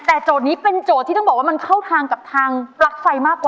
แต่โจทย์นี้เป็นโจทย์ที่ต้องบอกว่ามันเข้าทางกับทางปลั๊กไฟมากกว่า